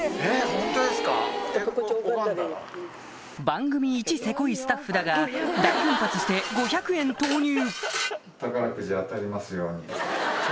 番組イチせこいスタッフだが大奮発して５００円投入！